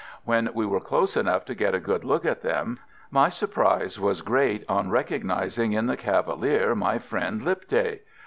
When we were close enough to get a good look at them, my surprise was great on recognising in the cavalier my friend Lipthay.